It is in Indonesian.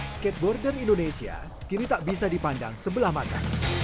skateboarder indonesia kini tak bisa dipandang sebelah mata